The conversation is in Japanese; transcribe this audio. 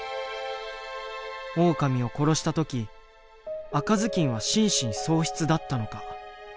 オオカミを殺した時赤ずきんは心神喪失だったのか。